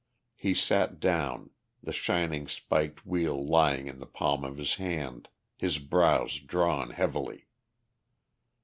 He sat down, the shining spiked wheel lying in the palm of his hand, his brows drawn heavily.